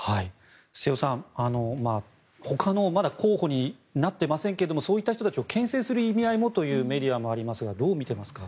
瀬尾さん、ほかのまだ候補になってませんがそういった人たちをけん制する意味合いもというメディアもありますがどう見ていますか？